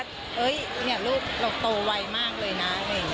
เนี่ยลูกเราโตไวมากเลยนะ